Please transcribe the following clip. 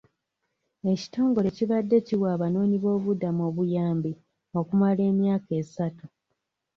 Ekitongole kibadde kiwa abanoonyi b'obubudamu obuyambi okumala emyaka esatu